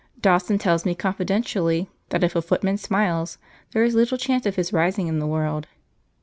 Dawson tells me confidentially that if a footman smiles there is little chance of his rising in the world.